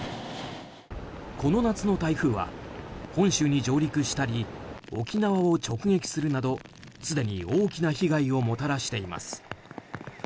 この夏の台風は本州に上陸したり沖縄を直撃するなどすでに大きな被害をもたらしています。